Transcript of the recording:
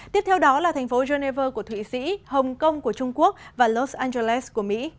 tiếp theo đó là thành phố geneva của thụy sĩ hồng kông của trung quốc và los angeles của mỹ